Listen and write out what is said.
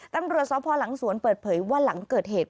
ตำรวจสพหลังสวนเปิดเผยว่าหลังเกิดเหตุ